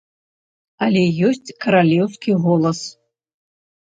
Але ёсць каралеўскі голас.